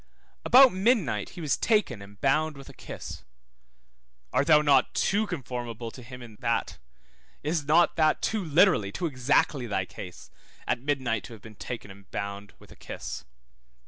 About midnight he was taken and bound with a kiss, art thou not too conformable to him in that? Is not that too literally, too exactly thy case, at midnight to have been taken and bound with a kiss?